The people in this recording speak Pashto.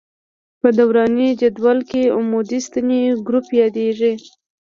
په دوراني جدول کې عمودي ستنې ګروپ یادیږي.